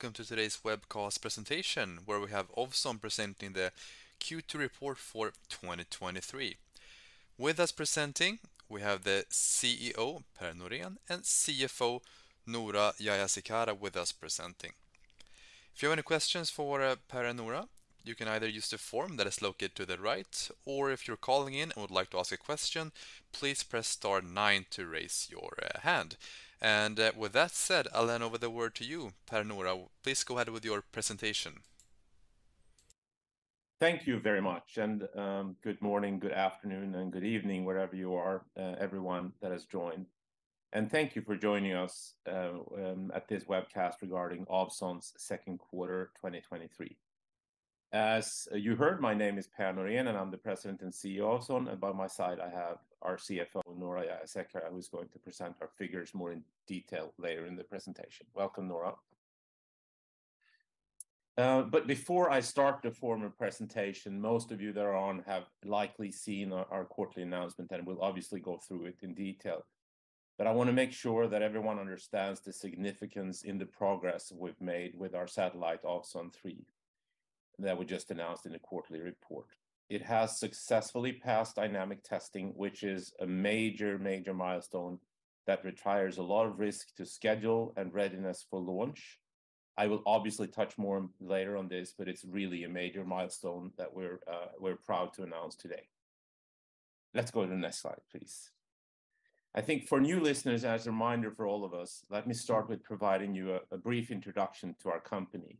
Hello, and welcome to today's webcast presentation, where we have Ovzon presenting the Q2 report for 2023. With us presenting, we have the CEO, Per Norén, and CFO, Noora Jayasekara, with us presenting. If you have any questions for Per and Noora, you can either use the form that is located to the right, or if you're calling in and would like to ask a question, please press star nine to raise your hand. With that said, I'll hand over the word to you, Per and Noora. Please go ahead with your presentation. Thank you very much, good morning, good afternoon, and good evening, wherever you are, everyone that has joined. Thank you for joining us at this webcast regarding Ovzon's second quarter 2023. As you heard, my name is Per Norén, and I'm the President and CEO of Ovzon, and by my side I have our CFO, Noora Jayasekara, who's going to present our figures more in detail later in the presentation. Welcome, Noora. Before I start the formal presentation, most of you that are on have likely seen our, our quarterly announcement, and we'll obviously go through it in detail. I want to make sure that everyone understands the significance in the progress we've made with our satellite, Ovzon 3, that we just announced in the quarterly report. It has successfully passed dynamic testing, which is a major, major milestone that retires a lot of risk to schedule and readiness for launch. I will obviously touch more later on this, but it's really a major milestone that we're proud to announce today. Let's go to the next slide, please. I think for new listeners, as a reminder for all of us, let me start with providing you a, a brief introduction to our company.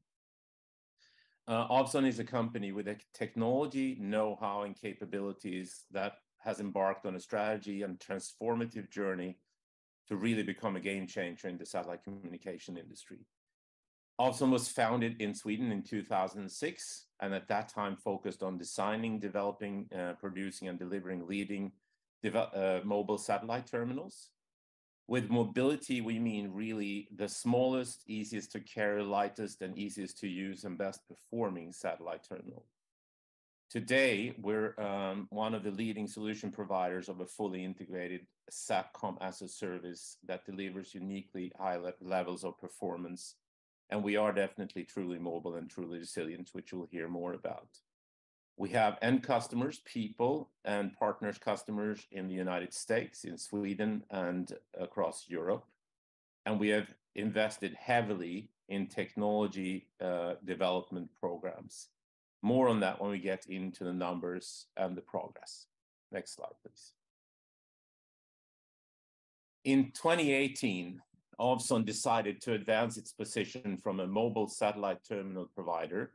Ovzon is a company with a technology, know-how, and capabilities that has embarked on a strategy and transformative journey to really become a game changer in the satellite communication industry. Ovzon was founded in Sweden in 2006, and at that time focused on designing, developing, producing, and delivering leading mobile satellite terminals. With mobility, we mean really the smallest, easiest to carry, lightest and easiest to use, and best performing satellite terminal. Today, we're one of the leading solution providers of a fully integrated SATCOM-as-a-Service that delivers uniquely high le- levels of performance, and we are definitely truly mobile and truly resilient, which you'll hear more about. We have end customers, people, and partners, customers in the United States, in Sweden, and across Europe, and we have invested heavily in technology development programs. More on that when we get into the numbers and the progress. Next slide, please. In 2018, Ovzon decided to advance its position from a mobile satellite terminal provider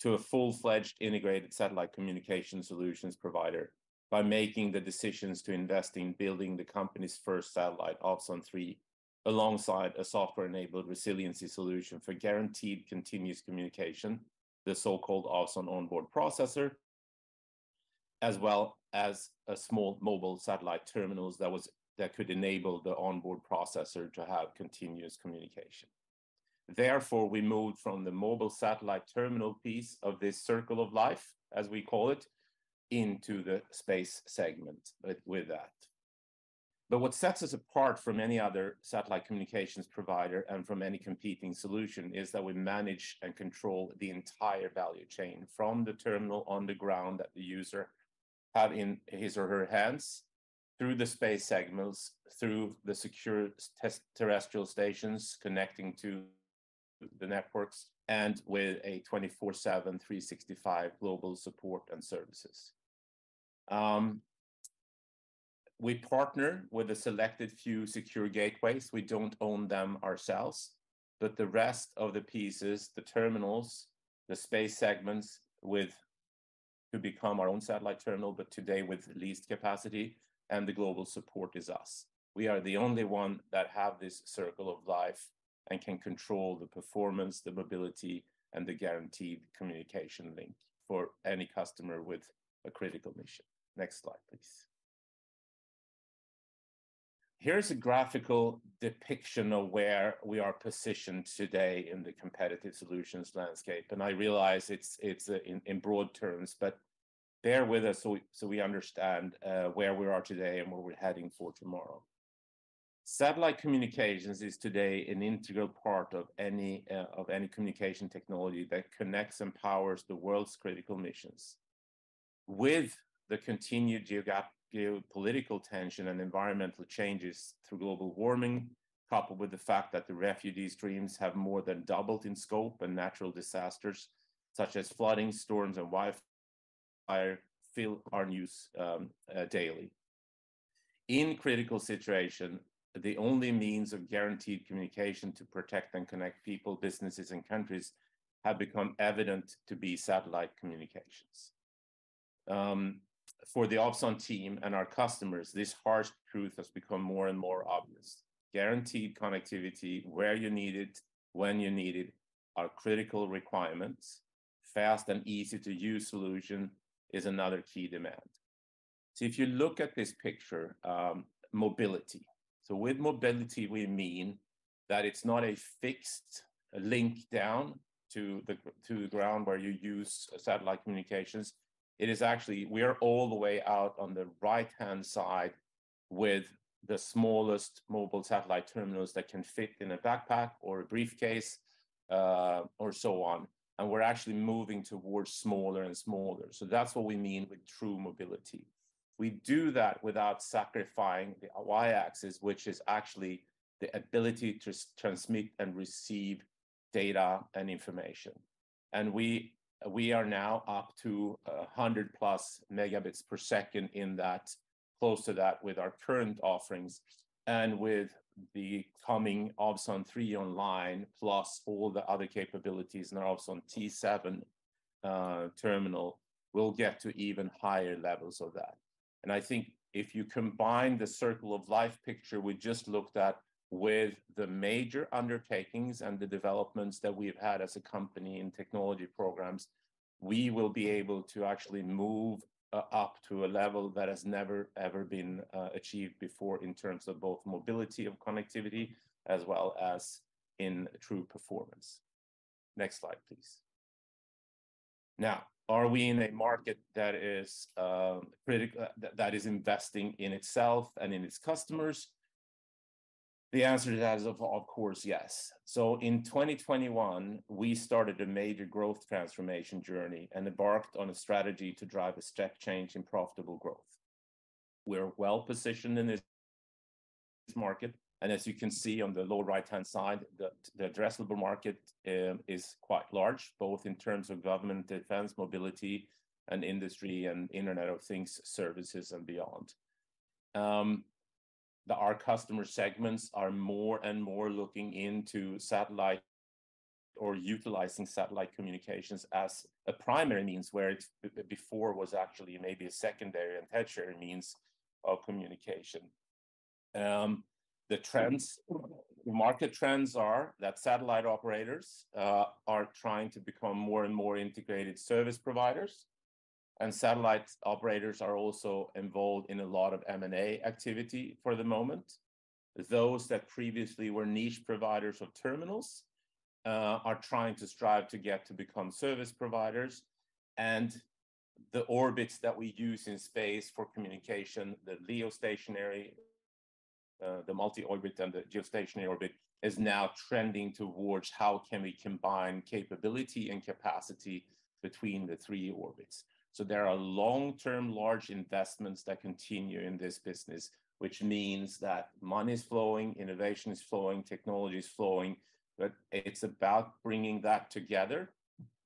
to a full-fledged integrated satellite communication solutions provider by making the decisions to invest in building the company's first satellite, Ovzon 3, alongside a software-enabled resiliency solution for guaranteed continuous communication, the so-called Ovzon On-Board-Processor, as well as a small mobile satellite terminals that could enable the Ovzon On-Board-Processor to have continuous communication. We moved from the mobile satellite terminal piece of this circle of life, as we call it, into the space segment, but with that. What sets us apart from any other satellite communications provider and from any competing solution, is that we manage and control the entire value chain, from the terminal on the ground that the user have in his or her hands, through the space segments, through the secure terrestrial stations connecting to the networks, and with a 24/7/365 global support and services. We partner with a selected few secure gateways. We don't own them ourselves, but the rest of the pieces, the terminals, the space segments, to become our own satellite terminal, but today with leased capacity, and the global support is us. We are the only one that have this circle of life and can control the performance, the mobility, and the guaranteed communication link for any customer with a critical mission. Next slide, please. Here's a graphical depiction of where we are positioned today in the competitive solutions landscape, and I realize it's in broad terms, but bear with us so we understand where we are today and where we're heading for tomorrow. Satellite communications is today an integral part of any communication technology that connects and powers the world's critical missions. With the continued geopolitical tension and environmental changes through global warming, coupled with the fact that the refugee streams have more than doubled in scope, and natural disasters such as flooding, storms, and wildfire fill our news daily. In critical situation, the only means of guaranteed communication to protect and connect people, businesses, and countries, have become evident to be satellite communications. For the Ovzon team and our customers, this harsh truth has become more and more obvious. Guaranteed connectivity, where you need it, when you need it, are critical requirements. Fast and easy-to-use solution is another key demand. If you look at this picture, mobility. With mobility, we mean that it's not a fixed link down to the ground, where you use satellite communications. It is actually, we are all the way out on the right-hand side with the smallest mobile satellite terminals that can fit in a backpack or a briefcase, or so on. We're actually moving towards smaller and smaller. That's what we mean with true mobility. We do that without sacrificing the Y-axis, which is actually the ability to transmit and receive data and information. We, we are now up to 100+ Mbps in that, close to that, with our current offerings. With the coming Ovzon 3 online, plus all the other capabilities in our Ovzon T7 terminal, we'll get to even higher levels of that. I think if you combine the circle of life picture we just looked at with the major undertakings and the developments that we've had as a company in technology programs, we will be able to actually move up to a level that has never, ever been achieved before in terms of both mobility of connectivity as well as in true performance. Next slide, please. Now, are we in a market that is that, that is investing in itself and in its customers? The answer to that is, of course, yes. In 2021, we started a major growth transformation journey and embarked on a strategy to drive a step change in profitable growth. We're well positioned in this market, and as you can see on the lower right-hand side, the addressable market is quite large, both in terms of government, defense, mobility, and industry and Internet of Things services, and beyond. Our customer segments are more and more looking into satellite or utilising satellite communications as a primary means, where it, before was actually maybe a secondary and tertiary means of communication. The trends, market trends are that satellite operators are trying to become more and more integrated service providers, and satellite operators are also involved in a lot of M&A activity for the moment. Those that previously were niche providers of terminals are trying to strive to get to become service providers. The orbits that we use in space for communication, the LEO stationary, the multi-orbit and the Geostationary orbit, is now trending towards how can we combine capability and capacity between the three orbits? There are long-term, large investments that continue in this business, which means that money's flowing, innovation is flowing, technology is flowing, but it's about bringing that together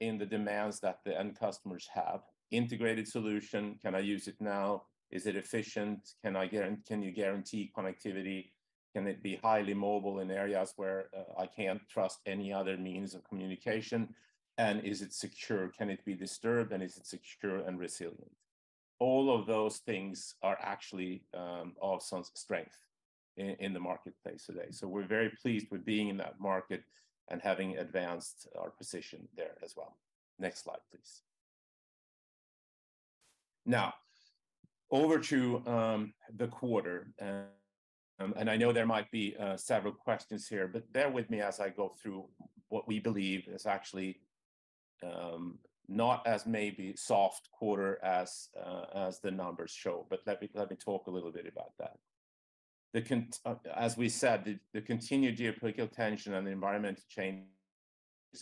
in the demands that the end customers have. Integrated solution: Can I use it now? Is it efficient? Can you guarantee connectivity? Can it be highly mobile in areas where I can't trust any other means of communication? Is it secure? Can it be disturbed, and is it secure and resilient? All of those things are actually Ovzon's strength in, in the marketplace today. We're very pleased with being in that market and having advanced our position there as well. Next slide, please. Now, over to the quarter, and I know there might be several questions here, but bear with me as I go through what we believe is actually not as maybe soft quarter as the numbers show. Let me talk a little bit about that. As we said, the continued geopolitical tension and the environment changes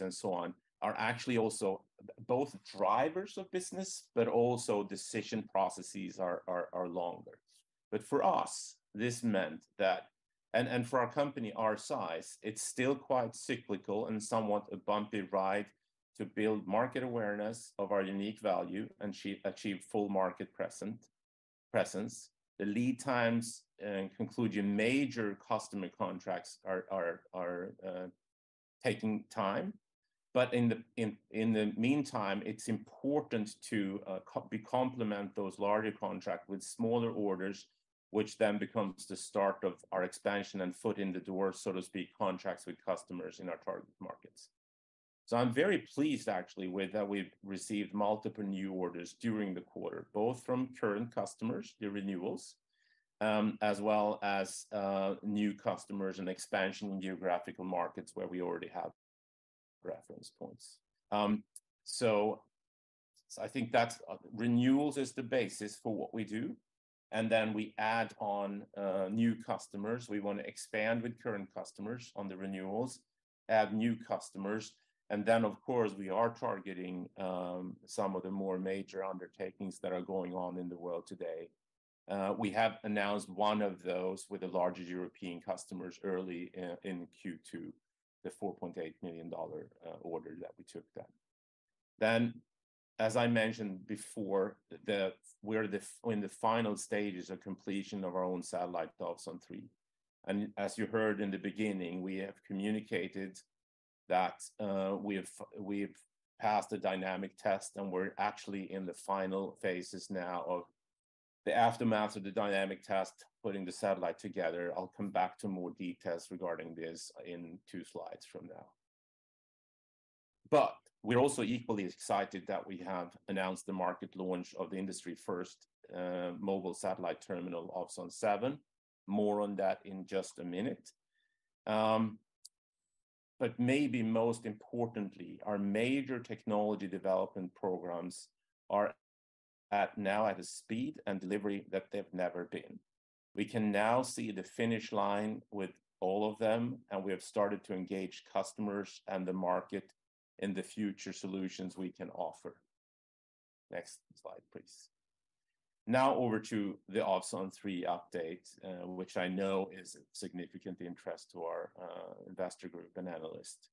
and so on are actually also both drivers of business, but also decision processes are longer. For us, this meant that... For our company, our size, it's still quite cyclical and somewhat a bumpy ride to build market awareness of our unique value and achieve full market presence. The lead times, concluding major customer contracts are taking time, but in the meantime, it's important to, we complement those larger contract with smaller orders, which then becomes the start of our expansion and foot in the door, so to speak, contracts with customers in our target markets. I'm very pleased actually with that we've received multiple new orders during the quarter, both from current customers, the renewals, as well as, new customers and expansion in geographical markets where we already have reference points. I think that's, renewals is the basis for what we do, and then we add on, new customers. We want to expand with current customers on the renewals, add new customers, and then, of course, we are targeting some of the more major undertakings that are going on in the world today. We have announced one of those with the larger European customers early in Q2, the $4.8 million order that we took then. As I mentioned before, we're in the final stages of completion of our own satellite, Ovzon 3. As you heard in the beginning, we have communicated that we have passed the dynamic test, and we're actually in the final phases now of the aftermath of the dynamic test, putting the satellite together. I'll come back to more details regarding this in two slides from now. We're also equally excited that we have announced the market launch of the industry-first mobile satellite terminal, Ovzon T7. More on that in just a minute. Maybe most importantly, our major technology development programs are at now at a speed and delivery that they've never been. We can now see the finish line with all of them, and we have started to engage customers and the market in the future solutions we can offer. Next slide, please. Over to the Ovzon 3 update, which I know is of significant interest to our investor group and analysts.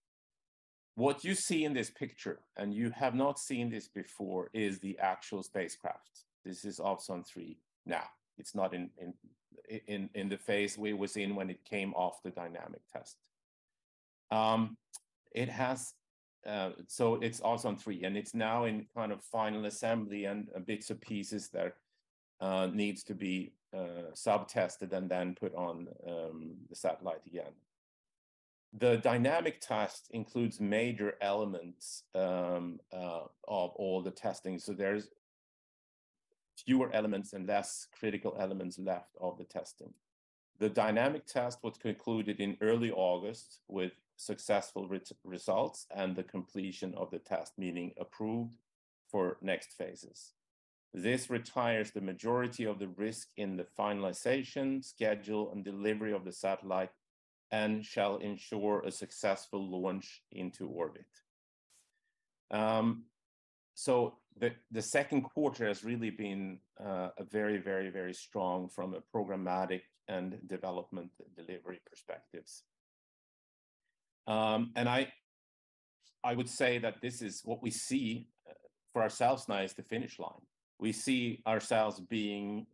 What you see in this picture, and you have not seen this before, is the actual spacecraft. This is Ovzon 3 now. It's not in the phase we were seeing when it came off the dynamic test. It has... It's Ovzon 3, and it's now in kind of final assembly and bits and pieces that needs to be sub-tested and then put on the satellite again. The dynamic test includes major elements of all the testing, so there's fewer elements and less critical elements left of the testing. The dynamic test was concluded in early August with successful re-results and the completion of the test, meaning approved for next phases. This retires the majority of the risk in the finalization, schedule, and delivery of the satellite and shall ensure a successful launch into orbit. The second quarter has really been very, very, very strong from a programmatic and development delivery perspectives. I would say that this is what we see for ourselves now is the finish line. We see ourselves being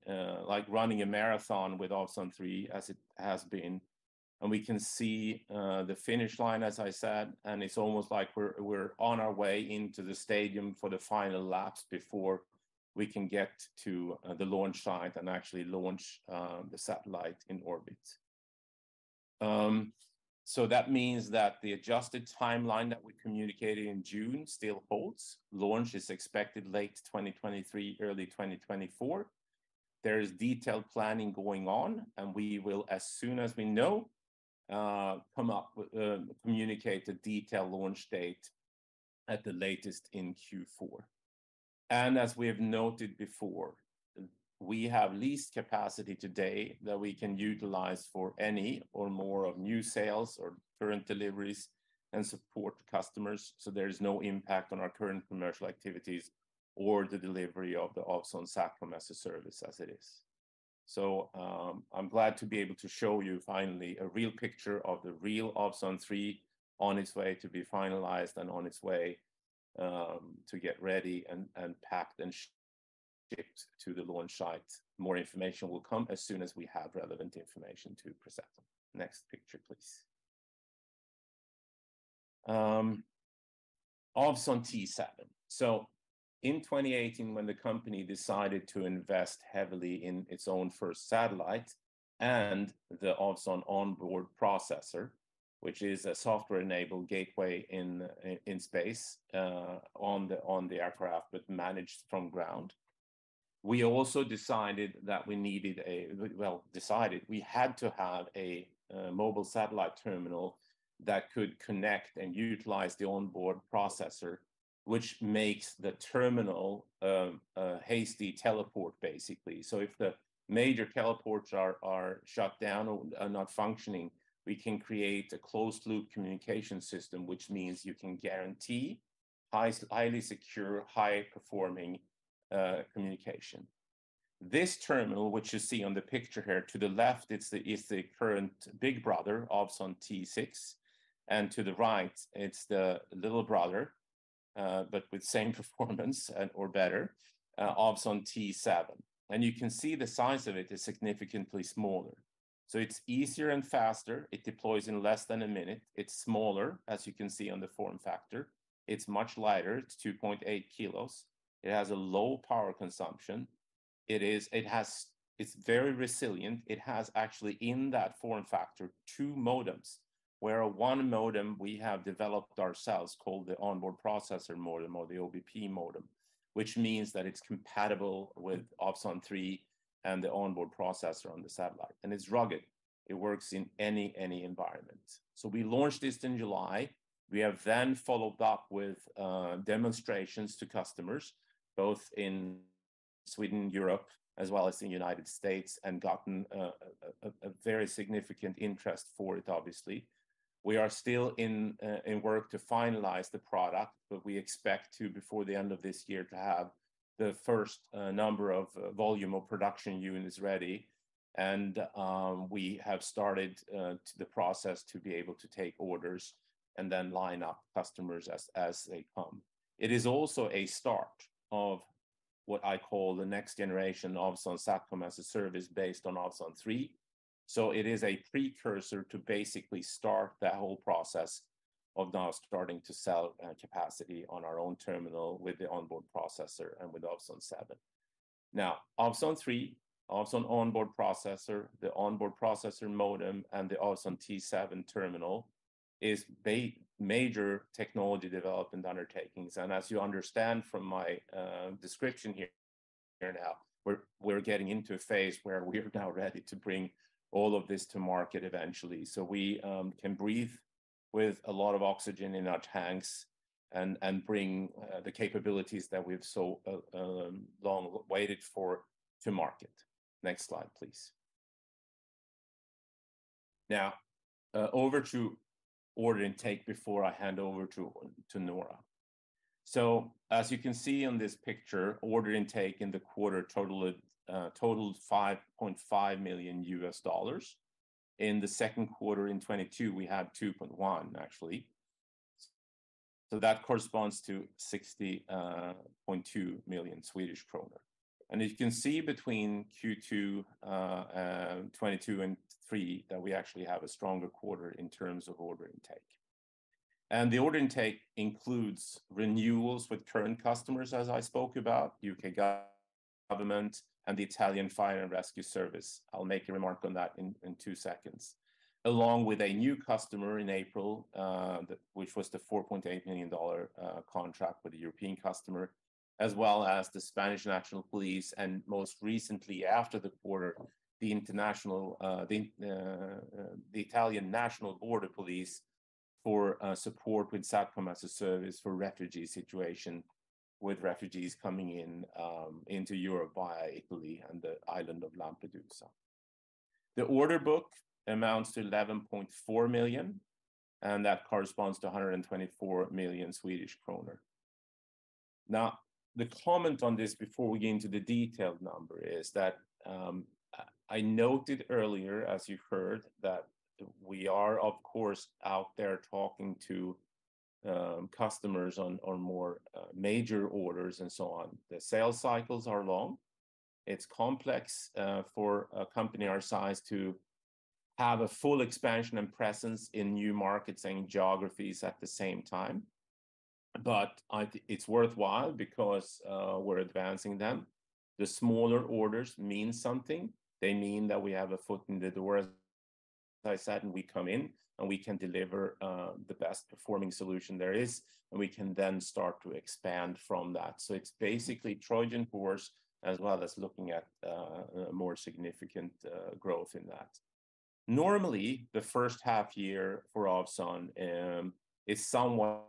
like running a marathon with Ovzon 3, as it has been, we can see the finish line, as I said, and it's almost like we're, we're on our way into the stadium for the final laps before we can get to the launch site and actually launch the satellite in orbit. That means that the adjusted timeline that we communicated in June still holds. Launch is expected late 2023, early 2024. There is detailed planning going on, and we will, as soon as we know, come up with communicate a detailed launch date at the latest in Q4. As we have noted before, we have leased capacity today that we can utilize for any or more of new sales or current deliveries and support customers, so there is no impact on our current commercial activities or the delivery of the Ovzon 3 SATCOM-as-a-Service as it is. I'm glad to be able to show you finally a real picture of the real Ovzon 3 on its way to be finalized and on its way to get ready and, and packed, and shipped to the launch site. More information will come as soon as we have relevant information to present. Next picture, please. Ovzon T7. In 2018, when the company decided to invest heavily in its own first satellite and the Ovzon On-Board-Processor, which is a software-enabled gateway in space, on the aircraft, but managed from ground, we also decided that we needed a... Well, decided, we had to have a mobile satellite terminal that could connect and utilize the On-Board-Processor, which makes the terminal a hasty teleport, basically. If the major teleports are shut down or are not functioning, we can create a closed-loop communication system, which means you can guarantee high, highly secure, high-performing communication. This terminal, which you see on the picture here, to the left, it's the current big brother, Ovzon T6, and to the right, it's the little brother, but with same performance and or better, Ovzon T7. You can see the size of it is significantly smaller. It's easier and faster. It deploys in less than a minute. It's smaller, as you can see on the form factor. It's much lighter. It's 2.8 kg. It has a low power consumption. It's very resilient. It has, actually, in that form factor, two modems, where one modem we have developed ourselves, called the On-Board-Processor modem or the OBP modem, which means that it's compatible with Ovzon 3 and the Ovzon On-Board-Processor on the satellite. It's rugged. It works in any, any environment. We launched this in July. We have then followed up with demonstrations to customers, both in Sweden, Europe, as well as the United States, and gotten a very significant interest for it, obviously. We are still in work to finalize the product, but we expect to, before the end of this year, to have the first number of volume of production units ready. We have started the process to be able to take orders and then line up customers as, as they come. It is also a start of what I call the next generation Ovzon SATCOM-as-a-Service based on Ovzon 3. It is a precursor to basically start that whole process of now starting to sell capacity on our own terminal with the Ovzon On-Board-Processor and with Ovzon T7. Now, Ovzon 3, Ovzon On-Board-Processor, the OBP modem, and the Ovzon T7 terminal is major technology development undertakings. As you understand from my description here now. We're, we're getting into a phase where we're now ready to bring all of this to market eventually. We can breathe with a lot of oxygen in our tanks and bring the capabilities that we've so long waited for to market. Next slide, please. Now, over to order intake before I hand over to Noora. As you can see on this picture, order intake in the quarter totaled $5.5 million. In the second quarter in 2022, we had $2.1 million, actually. That corresponds to 60.2 million Swedish kronor. You can see between Q2 2022 and 2023, that we actually have a stronger quarter in terms of order intake. The order intake includes renewals with current customers, as I spoke about, U.K. government and the Italian Fire and Rescue Services, I'll make a remark on that in, in two seconds, along with a new customer in April, which was the $4.8 million contract with a European customer, as well as the Spanish National Police, and most recently, after the quarter, the international, the Italian National Border Police for support with SATCOM-as-a-Service for refugee situation, with refugees coming in, into Europe via Italy and the island of Lampedusa. The order book amounts to 11.4 million, and that corresponds to 124 million Swedish kronor. The comment on this, before we get into the detailed number, is that I noted earlier, as you heard, that we are, of course, out there talking to customers on, on more major orders and so on. The sales cycles are long. It's complex for a company our size to have a full expansion and presence in new markets and geographies at the same time, but I. It's worthwhile because we're advancing them. The smaller orders mean something. They mean that we have a foot in the door, as I said, and we come in, and we can deliver the best-performing solution there is, and we can then start to expand from that. It's basically Trojan Horse, as well as looking at a more significant growth in that. Normally, the first half year for Ovzon is somewhat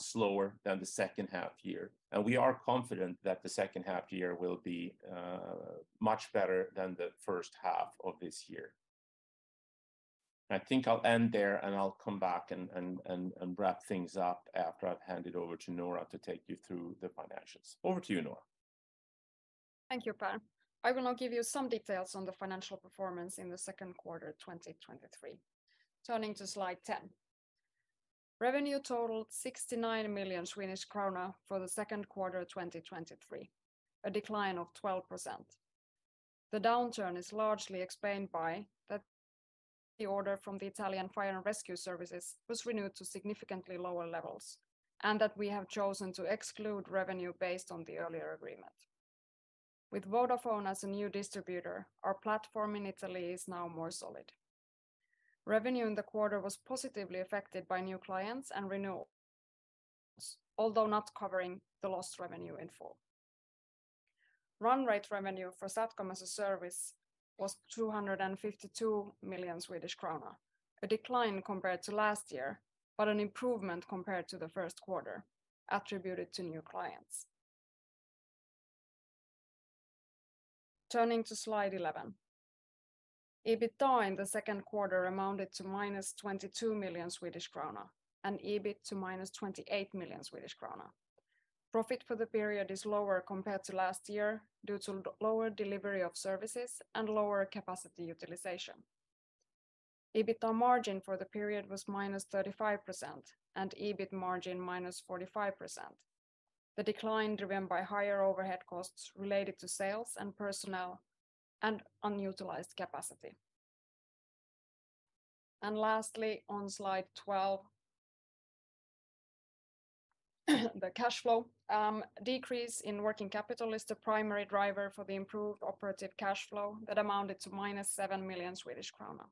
slower than the second half year. We are confident that the second half year will be much better than the first half of this year. I think I'll end there. I'll come back and wrap things up after I've handed over to Noora to take you through the financials. Over to you, Noora. Thank you, Per. I will now give you some details on the financial performance in the second quarter, 2023. Turning to Slide 10. Revenue totaled SEK 69 million for the second quarter of 2023, a decline of 12%. The downturn is largely explained by that the order from the Italian Fire and Rescue Services was renewed to significantly lower levels, and that we have chosen to exclude revenue based on the earlier agreement. With Vodafone as a new distributor, our platform in Italy is now more solid. Revenue in the quarter was positively affected by new clients and renewals, although not covering the lost revenue in full. Run rate revenue for SATCOM-as-a-Service was 252 million Swedish kronor, a decline compared to last year, but an improvement compared to the first quarter, attributed to new clients. Turning to Slide 11. EBITDA in the second quarter amounted to -22 million Swedish krona, and EBIT to -28 million Swedish krona. Profit for the period is lower compared to last year due to lower delivery of services and lower capacity utilization. EBITDA margin for the period was -35% and EBIT margin -45%, the decline driven by higher overhead costs related to sales and personnel and unutilized capacity. Lastly, on Slide 12, the cash flow. Decrease in working capital is the primary driver for the improved operative cash flow that amounted to -7 million Swedish krona.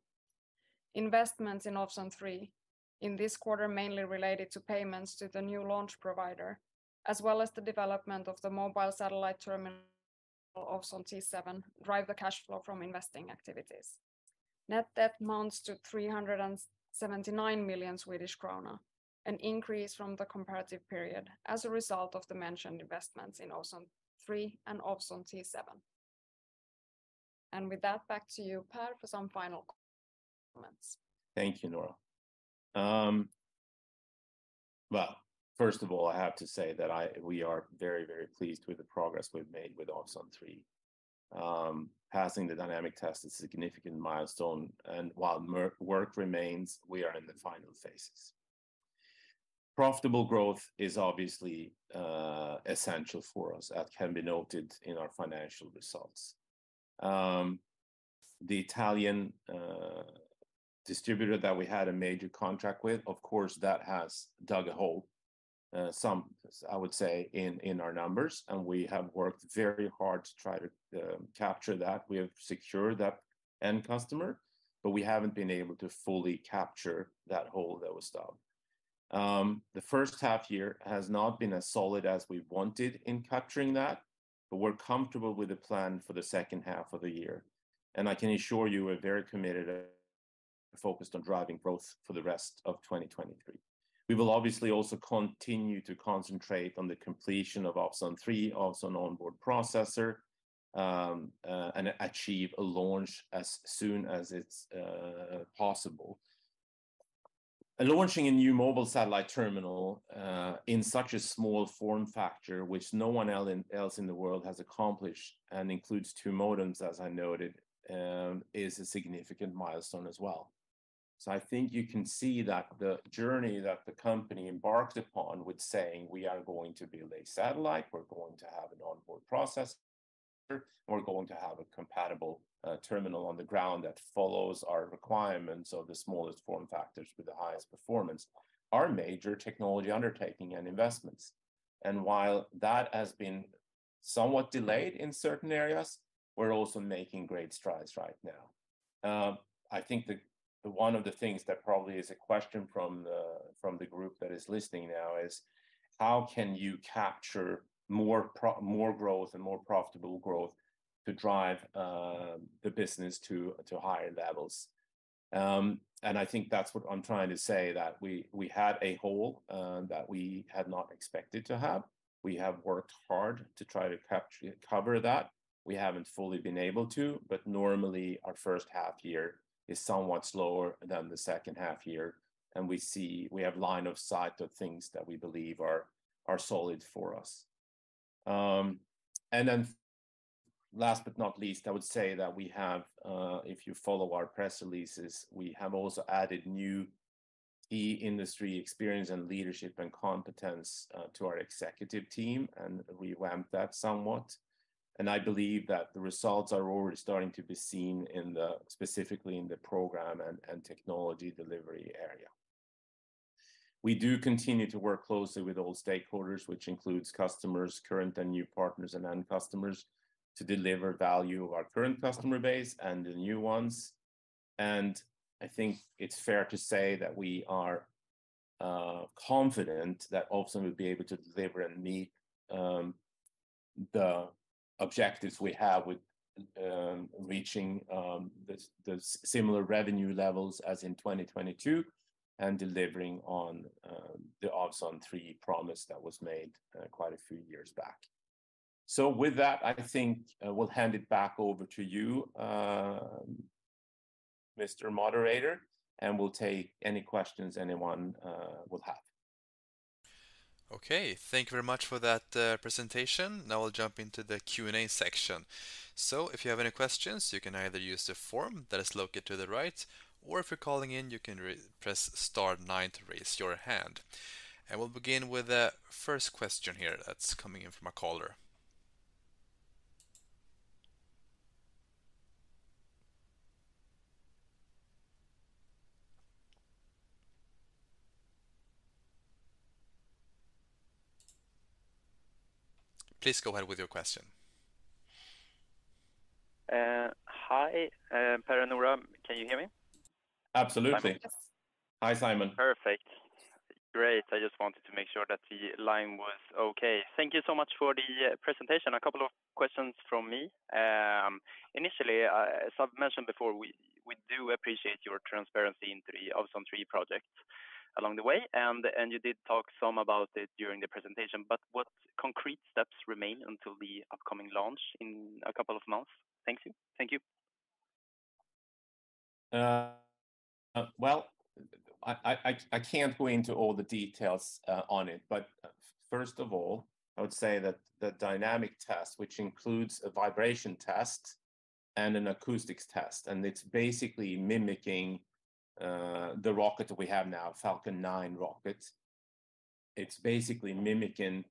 Investments in Ovzon 3 in this quarter mainly related to payments to the new launch provider, as well as the development of the mobile satellite terminal, Ovzon T7, drive the cash flow from investing activities. Net debt amounts to 379 million Swedish kronor, an increase from the comparative period as a result of the mentioned investments in Ovzon 3 and Ovzon T7. With that, back to you, Per, for some final comments. Thank you, Noora. Well, first of all, I have to say that we are very, very pleased with the progress we've made with Ovzon 3. Passing the dynamic test is a significant milestone, and while work remains, we are in the final phases. Profitable growth is obviously essential for us, as can be noted in our financial results. The Italian distributor that we had a major contract with, of course, that has dug a hole, some, I would say, in, in our numbers, and we have worked very hard to try to capture that. We have secured that end customer, but we haven't been able to fully capture that hole that was dug. the first half-year has not been as solid as we wanted in capturing that, but we're comfortable with the plan for the second half of the year. I can assure you, we're very committed and focused on driving growth for the rest of 2023. We will obviously also continue to concentrate on the completion of Ovzon 3, also an Ovzon On-Board-Processor, and achieve a launch as soon as it's possible. Launching a new Ovzon T7 terminal in such a small form factor, which no one else in the world has accomplished, and includes two modems, as I noted, is a significant milestone as well. I think you can see that the journey that the company embarked upon with saying, "We are going to build a satellite, we're going to have an On-Board-Processor, we're going to have a compatible terminal on the ground that follows our requirements of the smallest form factors with the highest performance," are major technology undertaking and investments. While that has been somewhat delayed in certain areas, we're also making great strides right now. I think the, the one of the things that probably is a question from the, from the group that is listening now is: how can you capture more growth and more profitable growth to drive the business to, to higher levels? I think that's what I'm trying to say, that we, we had a hole that we had not expected to have. We have worked hard to try to capture, cover that. We haven't fully been able to, but normally, our first half year is somewhat slower than the second half year, we have line of sight to things that we believe are solid for us. Then last but not least, I would say that we have, if you follow our press releases, we have also added new key industry experience and leadership and competence, to our executive team, and revamped that somewhat. I believe that the results are already starting to be seen in the, specifically in the program and technology delivery area. We do continue to work closely with all stakeholders, which includes customers, current and new partners, and end customers, to deliver value of our current customer base and the new ones. I think it's fair to say that we are confident that also we'll be able to deliver and meet the objectives we have with reaching the similar revenue levels as in 2022, and delivering on the Ovzon 3 promise that was made quite a few years back. With that, I think we'll hand it back over to you, Mr. Moderator, and we'll take any questions anyone will have. Okay, thank you very much for that presentation. Now we'll jump into the Q&A section. If you have any questions, you can either use the form that is located to the right, or if you're calling in, you can press star nine to raise your hand. We'll begin with the first question here that's coming in from a caller. Please go ahead with your question. Hi, Per and Noora. Can you hear me? Absolutely. Simon. Hi, Simon. Perfect. Great, I just wanted to make sure that the line was okay. Thank you so much for the presentation. A couple of questions from me. Initially, as I've mentioned before, we, we do appreciate your transparency in Ovzon 3 project along the way, and, and you did talk some about it during the presentation, but what concrete steps remain until the upcoming launch in 2 months? Thank you. Thank you. Well, I, I, I, I can't go into all the details on it, but first of all, I would say that the dynamic test, which includes a vibration test and an acoustics test, and it's basically mimicking the rocket that we have now, Falcon 9 rocket. It's basically mimicking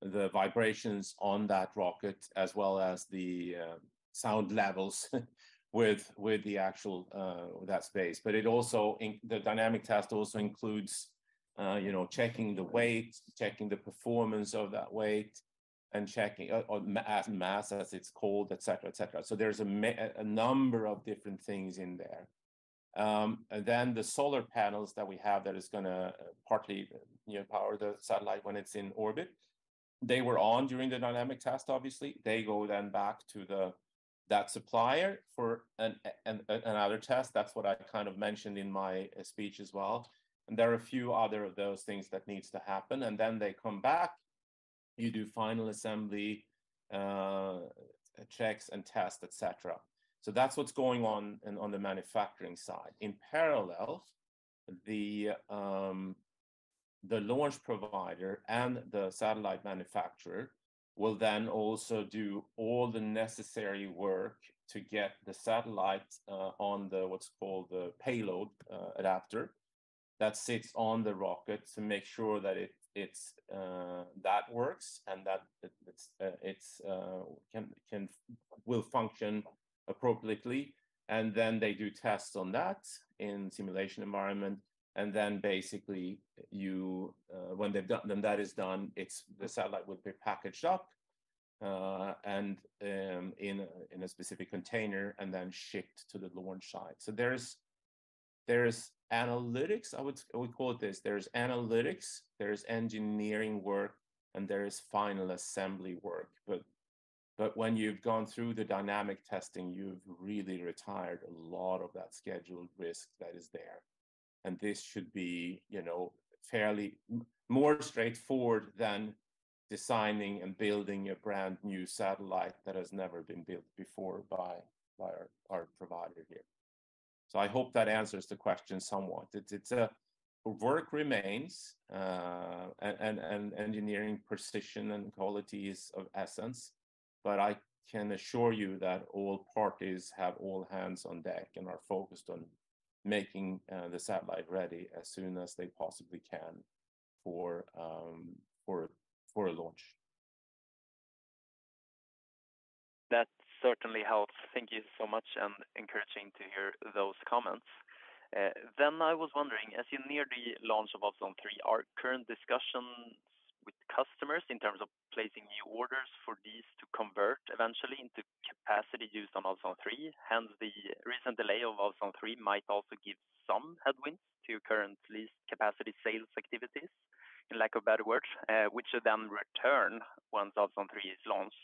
the vibrations on that rocket, as well as the sound levels, with, with the actual, that space. It also the dynamic test also includes, you know, checking the weight, checking the performance of that weight, and checking, or mass, as it's called, et cetera, et cetera. There's a number of different things in there. The solar panels that we have that is gonna partly, you know, power the satellite when it's in orbit, they were on during the dynamic test, obviously. They go then back to the, that supplier for another test. That's what I kind of mentioned in my speech as well. There are a few other of those things that needs to happen, and then they come back, you do final assembly, checks, and tests, et cetera. That's what's going on in, on the manufacturing side. In parallel, the launch provider and the satellite manufacturer will then also do all the necessary work to get the satellite on the, what's called the payload adapter, that sits on the rocket to make sure that it, it's that works, and that it, it's, it's, can, can Will function appropriately. They do tests on that in simulation environment. When they've done, when that is done, the satellite will be packaged up, and in a, in a specific container, and then shipped to the launch site. There's analytics, I would, I would call it this. There's analytics, there's engineering work, and there is final assembly work. When you've gone through the dynamic testing, you've really retired a lot of that scheduled risk that is there, and this should be, you know, fairly more straightforward than designing and building a brand-new satellite that has never been built before by, by our, our provider here. I hope that answers the question somewhat. work remains, and engineering precision and quality is of essence, but I can assure you that all parties have all hands on deck and are focused on making, the satellite ready as soon as they possibly can for a launch. That certainly helps. Thank you so much, and encouraging to hear those comments. Then I was wondering, as you near the launch of Ovzon 3, are current discussion with customers in terms of placing new orders for these to convert eventually into capacity used on Ovzon 3? Hence, the recent delay of Ovzon 3 might also give some headwinds to your current lease capacity sales activities, in lack of better words, which should then return once Ovzon 3 is launched,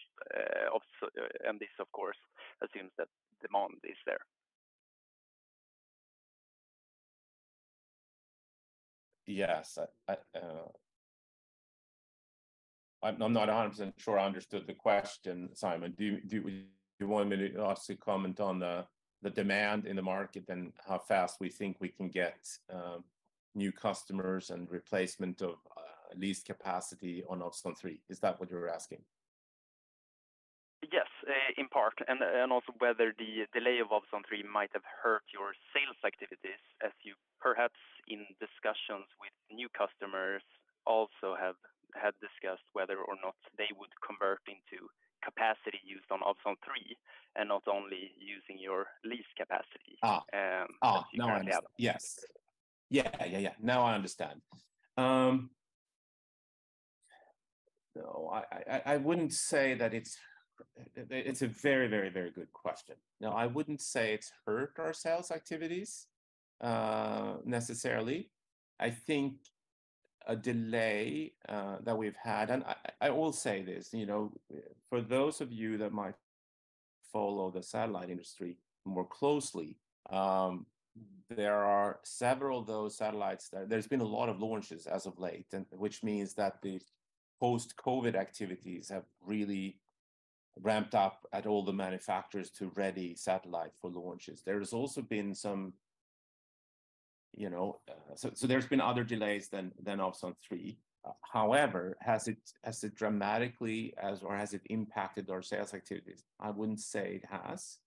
also. This, of course, assumes that demand is there. Yes. I'm not 100% sure I understood the question, Simon. Do you want me to also comment on the demand in the market and how fast we think we can get new customers and replacement of lease capacity on Ovzon 3? Is that what you were asking? Yes, in part, and, and also whether the delay of Ovzon 3 might have hurt your sales activities, as you perhaps in discussions with new customers, also have, had discussed whether or not they would convert into capacity used on Ovzon 3 and not only using your lease capacity. Ah. that you currently have. Now, I understand. Yes. Yeah, yeah, yeah. Now I understand. No, I wouldn't say that. It's a very, very, very good question. No, I wouldn't say it's hurt our sales activities, necessarily. I think a delay that we've had. I will say this, you know, for those of you that might follow the satellite industry more closely, there are several of those satellites there. There's been a lot of launches as of late, which means that the post-COVID activities have really ramped up at all the manufacturers to ready satellite for launches. There has also been some, you know. There's been other delays than Ovzon 3. However, has it impacted our sales activities? I wouldn't say it has.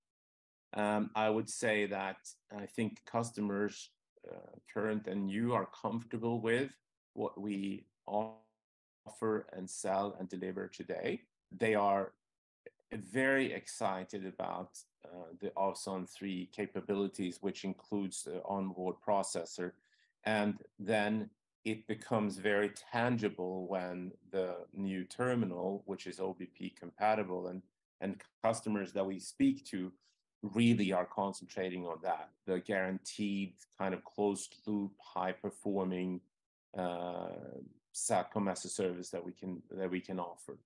I would say that I think customers, current and new, are comfortable with what we offer and sell and deliver today. They are very excited about the Ovzon 3 capabilities, which includes the Ovzon On-Board-Processor, and then it becomes very tangible when the new terminal, which is OBP compatible, and customers that we speak to really are concentrating on that. The guaranteed, kind of, closed-loop, high-performing, Ovzon SATCOM-as-a-Service that we can, that we can offer.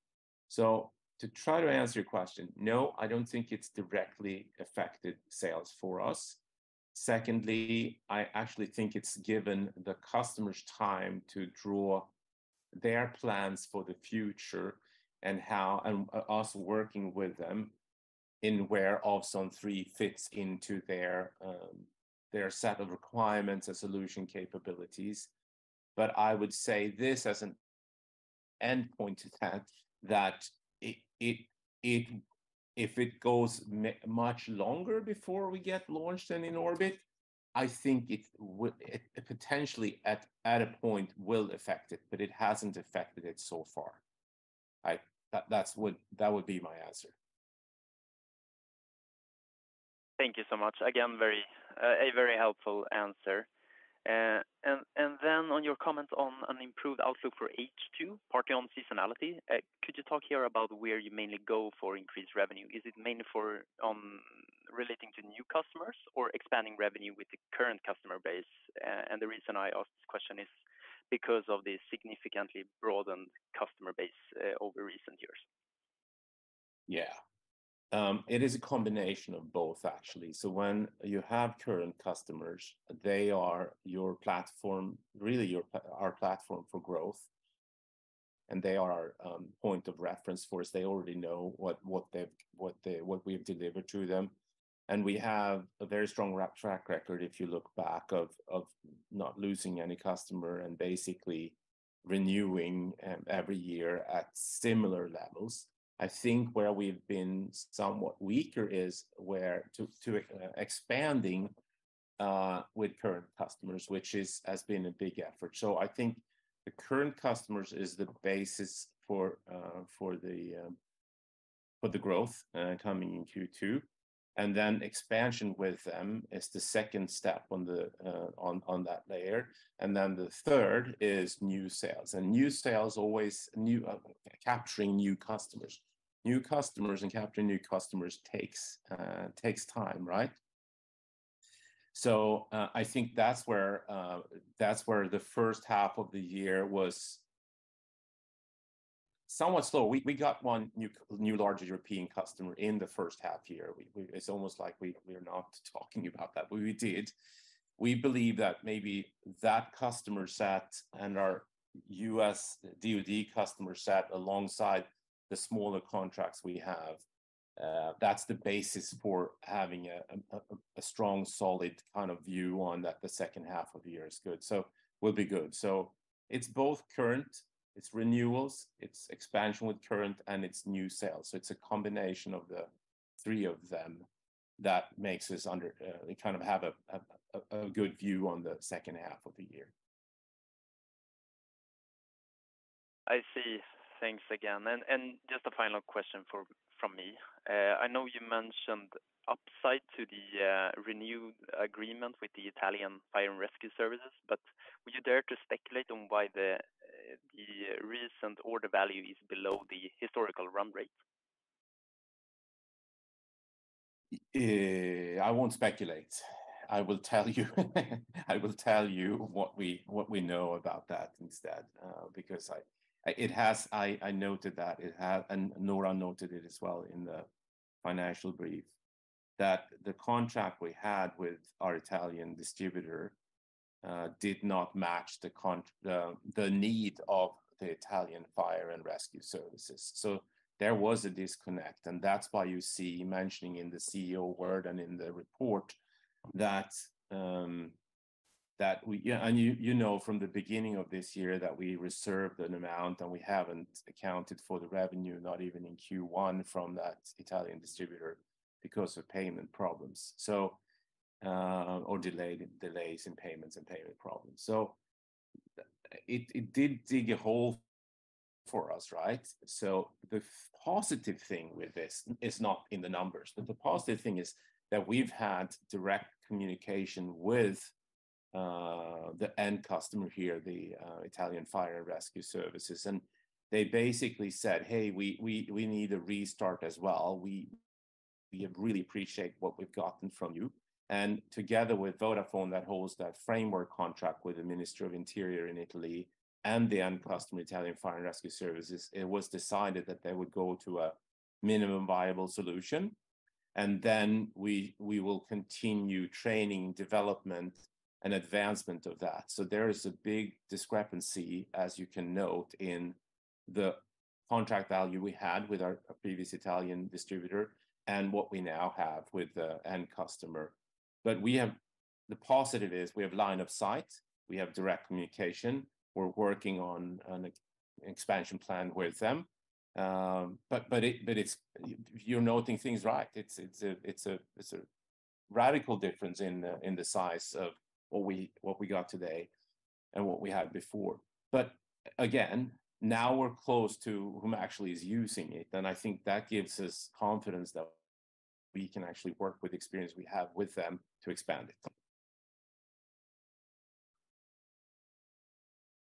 To try to answer your question, no, I don't think it's directly affected sales for us. Secondly, I actually think it's given the customers time to draw their plans for the future and how... Us working with them in where Ovzon 3 fits into their set of requirements and solution capabilities. I would say this as an end point to that, that it, if it goes much longer before we get launched and in orbit, I think it would, it potentially, at a point, will affect it, but it hasn't affected it so far. That's what, that would be my answer. Thank you so much. Again, very, a very helpful answer. Then on your comment on an improved outlook for H2, partly on seasonality, could you talk here about where you mainly go for increased revenue? Is it mainly for, relating to new customers or expanding revenue with the current customer base? The reason I ask this question is because of the significantly broadened customer base, over recent years. Yeah. It is a combination of both, actually. When you have current customers, they are your platform, really your, our platform for growth, and they are our point of reference for us. They already know what, what they've, what they, what we've delivered to them. We have a very strong rap track record, if you look back, of, of not losing any customer and basically renewing every year at similar levels. I think where we've been somewhat weaker is where to, to expanding with current customers, which is, has been a big effort. I think the current customers is the basis for the growth coming in Q2, and then expansion with them is the second step on the on, on that layer. Then the third is new sales. New sales always new, capturing new customers. New customers and capturing new customers takes time, right? I think that's where, that's where the first half of the year was somewhat slow. We got one new large European customer in the first half year. It's almost like we, we're not talking about that, but we did. We believe that maybe that customer set and our US DOD customer set alongside the smaller contracts we have, that's the basis for having a strong, solid kind of view on that the second half of the year is good. Will be good. It's both current, it's renewals, it's expansion with current, and it's new sales. It's a combination of the three of them that makes us, we kind of have a good view on the second half of the year. I see. Thanks again. Just a final question from me. I know you mentioned upside to the renewed agreement with the Italian Fire and Rescue Services, but would you dare to speculate on why the recent order value is below the historical run rate? I won't speculate. I will tell you, I will tell you what we, what we know about that instead, because I... It has, I, I noted that it had, and Noora noted it as well in the financial brief, that the contract we had with our Italian distributor, did not match the need of the Italian Fire and Rescue Services. So there was a disconnect, and that's why you see mentioning in the CEO word and in the report that we, yeah, and you, you know from the beginning of this year that we reserved an amount, and we haven't accounted for the revenue, not even in Q1 from that Italian distributor, because of payment problems, or delayed, delays in payments and payment problems. So it, it did dig a hole for us, right? The positive thing with this is not in the numbers, but the positive thing is that we've had direct communication with the end customer here, the Italian Fire and Rescue Services. They basically said, "Hey, we, we, we need a restart as well. We, we have really appreciate what we've gotten from you." Together with Vodafone, that holds that framework contract with the Ministry of Interior in Italy and the end customer, Italian Fire and Rescue Services, it was decided that they would go to a minimum viable solution, and then we, we will continue training, development, and advancement of that. There is a big discrepancy, as you can note, in the contract value we had with our previous Italian distributor and what we now have with the end customer. We have... The positive is we have line of sight, we have direct communication. We're working on an expansion plan with them. It's, you're noting things right. It's a radical difference in the size of what we got today and what we had before. Again, now we're close to whom actually is using it, and I think that gives us confidence that we can actually work with experience we have with them to expand it.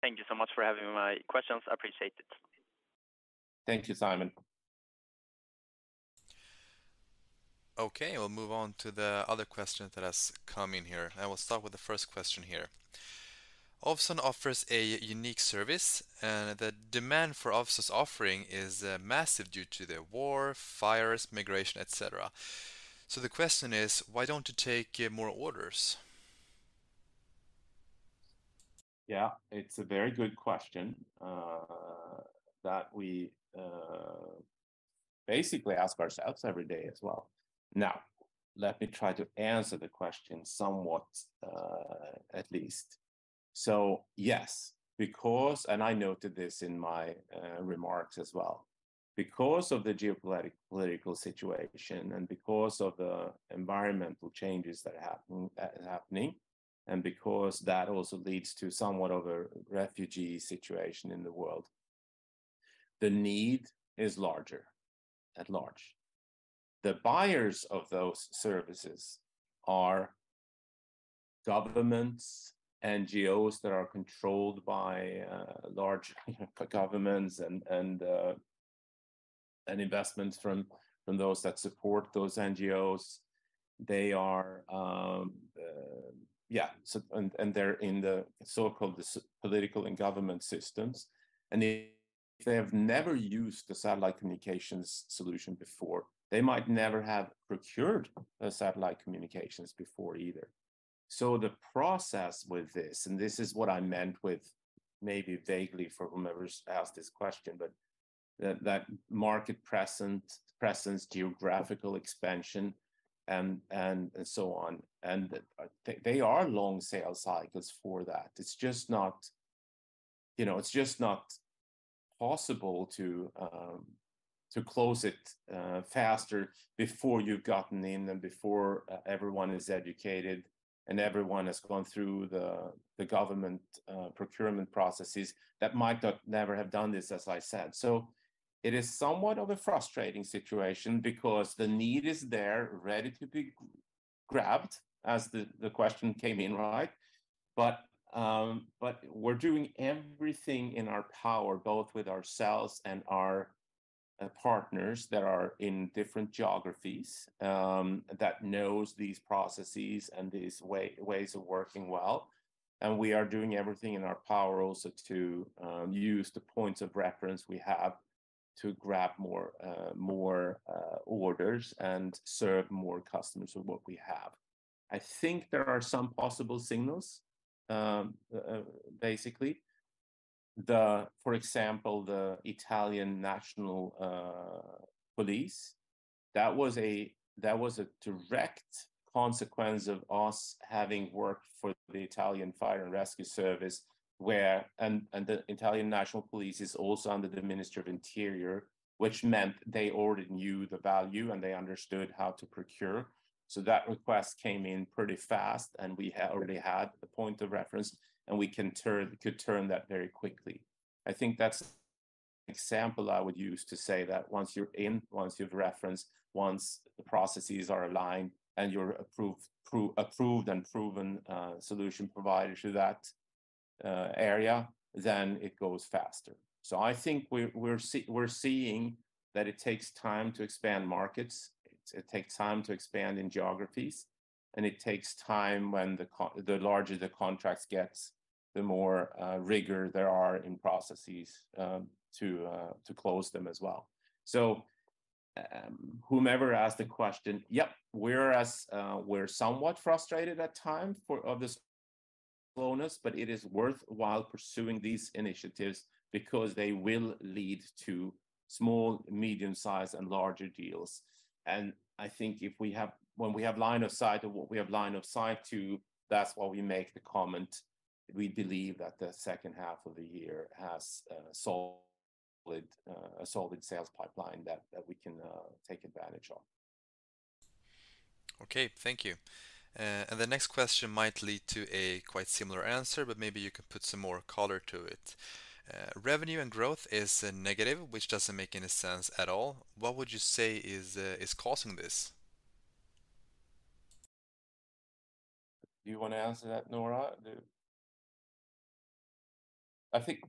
Thank you so much for having my questions. I appreciate it. Thank you, Simon. Okay, we'll move on to the other question that has come in here. I will start with the first question here. Ovzon offers a unique service, and the demand for Ovzon's offering is massive due to the war, fires, migration, et cetera. The question is: Why don't you take more orders? Yeah, it's a very good question that we basically ask ourselves every day as well. Now, let me try to answer the question somewhat, at least. Yes, because, and I noted this in my remarks as well, because of the geopolitical situation and because of the environmental changes that happen, happening, and because that also leads to somewhat of a refugee situation in the world, the need is larger, at large. The buyers of those services are governments, NGOs that are controlled by large, you know, governments and, and, and investments from, from those that support those NGOs. They are. Yeah, and, and they're in the so-called political and government systems, and they, they have never used the satellite communications solution before. They might never have procured a satellite communications before either. The process with this, and this is what I meant with, maybe vaguely, for whomever's asked this question, but that, that market presence, presence, geographical expansion, and, and, and so on, and they, they are long sales cycles for that. It's just not, you know, it's just not possible to close it faster before you've gotten in and before everyone is educated and everyone has gone through the government procurement processes that might not never have done this, as I said. It is somewhat of a frustrating situation because the need is there, ready to be grabbed as the question came in, right? We're doing everything in our power, both with ourselves and our partners that are in different geographies, that knows these processes and these ways of working well. We are doing everything in our power also to use the points of reference we have to grab more more orders and serve more customers with what we have. I think there are some possible signals. Basically, for example, the Italian National Police, that was a, that was a direct consequence of us having worked for the Italian Fire and Rescue Services, and the Italian National Police is also under the Minister of Interior, which meant they already knew the value, and they understood how to procure. That request came in pretty fast, and we already had a point of reference, and we could turn that very quickly. I think that's example I would use to say that once you're in, once you've referenced, once the processes are aligned, and you're approved, approved and proven, solution provider to that area, then it goes faster. I think we're seeing that it takes time to expand markets. It takes time to expand in geographies, and it takes time when the larger the contracts gets, the more rigor there are in processes, to close them as well. Whomever asked the question, yep, we're as, we're somewhat frustrated at time for of this slowness, but it is worthwhile pursuing these initiatives because they will lead to small, medium size, and larger deals. I think if we have... When we have line of sight of what we have line of sight to, that's why we make the comment, we believe that the second half of the year has a solid, a solid sales pipeline that, that we can, take advantage of. Okay, thank you. The next question might lead to a quite similar answer, but maybe you can put some more color to it. "Revenue and growth is negative, which doesn't make any sense at all. What would you say is causing this? Do you want to answer that, Noora? I think,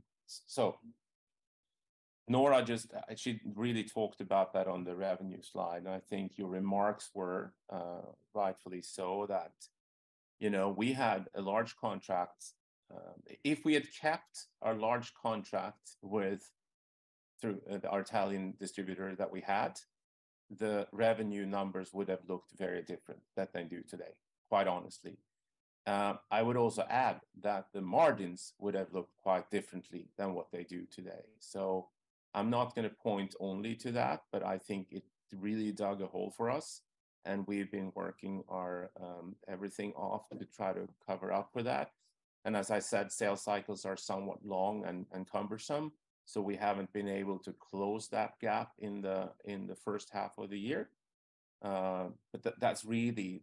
Noora just, she really talked about that on the revenue slide, I think your remarks were, rightfully so, that, you know, we had a large contract. If we had kept our large contract with, through, our Italian distributor that we had, the revenue numbers would have looked very different than they do today, quite honestly. I would also add that the margins would have looked quite differently than what they do today. I'm not gonna point only to that, but I think it really dug a hole for us, and we've been working our, everything off to try to cover up for that. As I said, sales cycles are somewhat long and cumbersome, so we haven't been able to close that gap in the first half of the year. That's really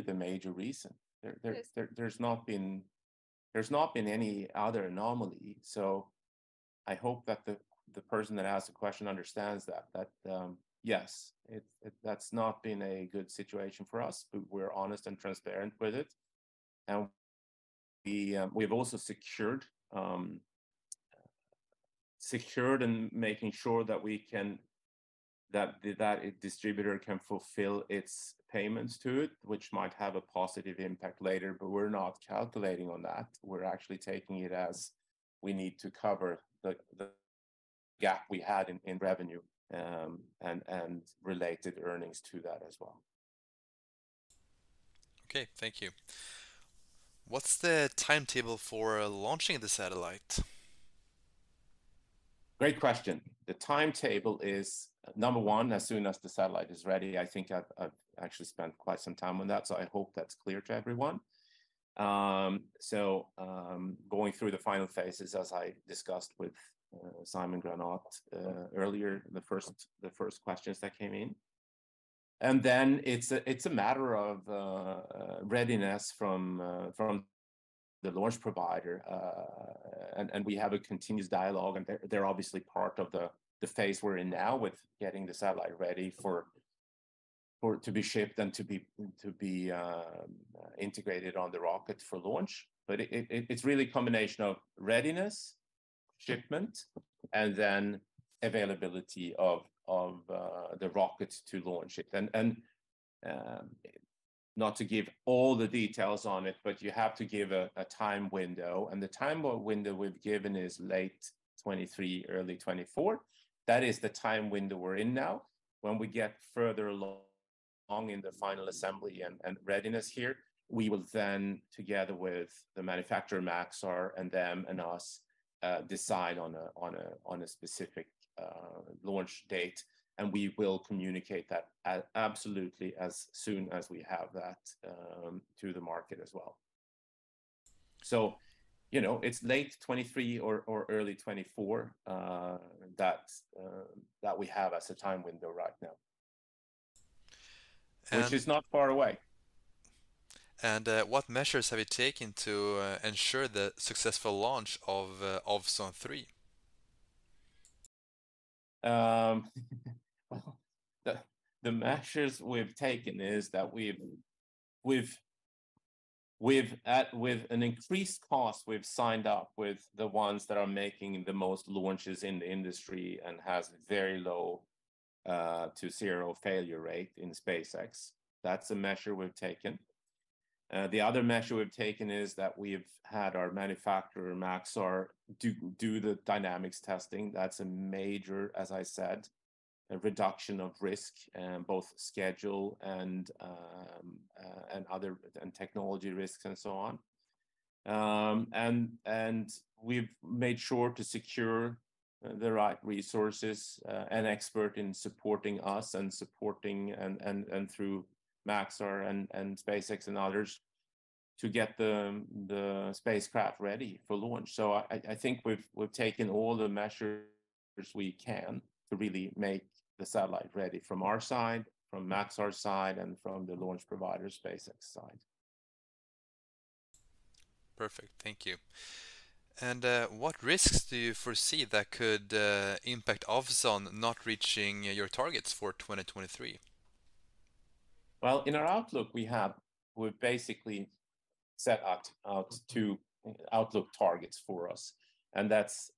the major reason. There's not been any other anomaly. I hope that the person that asked the question understands that, yes, it, that's not been a good situation for us, but we're honest and transparent with it. We've also secured, secured and making sure that we can that distributor can fulfill its payments to it, which might have a positive impact later, but we're not calculating on that. We're actually taking it as we need to cover the gap we had in revenue, and related earnings to that as well. Okay, thank you. What's the timetable for launching the satellite? Great question. The timetable is, number one, as soon as the satellite is ready. I think I've, I've actually spent quite some time on that, so I hope that's clear to everyone. Going through the final phases, as I discussed with Simon Granath earlier, the first, the first questions that came in. It's a, it's a matter of readiness from the launch provider. We have a continuous dialogue, and they're, they're obviously part of the, the phase we're in now with getting the satellite ready for, for it to be shipped and to be, to be integrated on the rocket for launch. It, it, it's really a combination of readiness, shipment, and then availability of, of the rocket to launch it. Not to give all the details on it, but you have to give a time window, and the time window we've given is late 2023, early 2024. That is the time window we're in now. When we get further along in the final assembly and readiness here, we will then, together with the manufacturer, Maxar, and them and us, decide on a specific launch date, and we will communicate that absolutely as soon as we have that to the market as well. You know, it's late 2023 or early 2024 that we have as a time window right now. And- Which is not far away. What measures have you taken to ensure the successful launch of Ovzon 3?... Well, the measures we've taken is that we've, we've, we've with an increased cost, we've signed up with the ones that are making the most launches in the industry and has very low to zero failure rate in SpaceX. That's a measure we've taken. The other measure we've taken is that we've had our manufacturer, Maxar, do the Dynamic testing. That's a major, as I said, a reduction of risk, both schedule and technology risks, and so on. And we've made sure to secure the right resources and expert in supporting us and supporting, and through Maxar and SpaceX and others, to get the spacecraft ready for launch. I think we've taken all the measures we can to really make the satellite ready from our side, from Maxar's side, and from the launch provider, SpaceX side. Perfect. Thank you. What risks do you foresee that could impact Ovzon not reaching your targets for 2023? Well, in our outlook, we've basically set out two outlook targets for us, and that's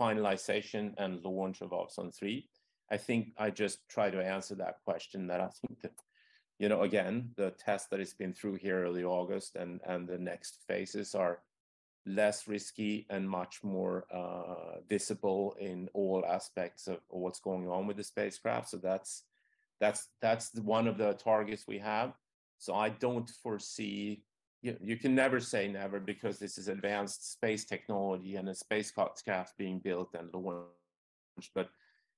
finalization and launch of Ovzon 3. I think I just tried to answer that question, that I think that, you know, again, the test that it's been through here early August and the next phases are less risky and much more visible in all aspects of what's going on with the spacecraft. That's one of the targets we have. I don't foresee... You can never say never, because this is advanced space technology and a spacecraft being built and launched.